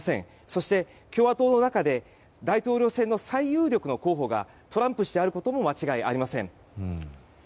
そして共和党の中で大統領選の最有力の候補がトランプ氏であることも間違いありません。